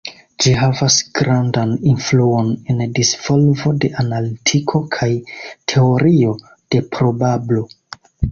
Ĝi havas grandan influon en disvolvo de Analitiko kaj Teorio de probablo.